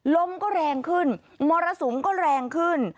ลมก็แรงขึ้นมรสุมก็แรงขึ้น